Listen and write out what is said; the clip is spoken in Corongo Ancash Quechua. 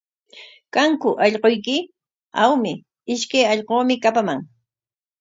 ¿Kanku allquyki? Awmi, ishkay allquumi kapaman.